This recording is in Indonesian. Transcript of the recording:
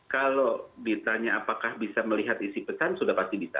kalau ditanya apakah bisa melihat isi pesan sudah pasti bisa